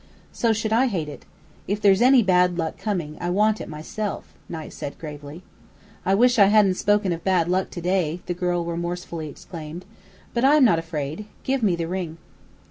"So should I hate it. If there's any bad luck coming, I want it myself," Knight said, gravely. "I wish I hadn't spoken of bad luck to day!" the girl remorsefully exclaimed. "But I am not afraid. Give me the ring."